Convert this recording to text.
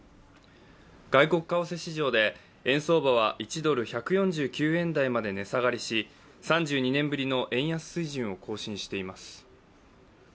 外国為替市場で円相場は１ドル＝１４９円台まで値下がりし３２年ぶりの円安水準を更新しています。